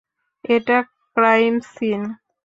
এটা crime scene.